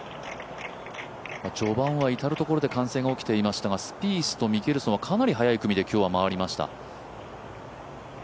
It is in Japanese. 序盤は至る所で歓声が起きていましたがスピースとミケルソンは今日はかなり早い組で回りました。